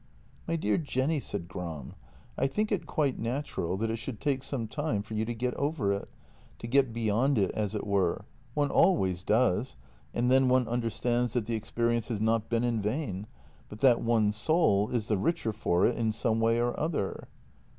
" My dear Jenny," said Gram, " I think it quite natural that it should take some time for you to get over it — to get beyond it, as it were; one always does, and then one understands that the experience has not been in vain, but that one's soul is the richer for it in some way or other."